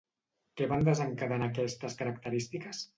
Què van desencadenar aquestes característiques?